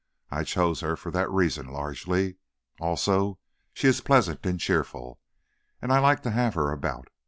I chose her for that reason, largely. Also, she is pleasant and cheerful, and I like to have her about.